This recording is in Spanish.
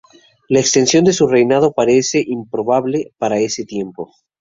La extensión de su reinado parece improbable para ese tiempo.